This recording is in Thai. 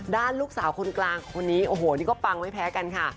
ด้านลูกสาวคนกลางคนนี้โอ้โหนี่ก็ปังไม่แพ้กันค่ะ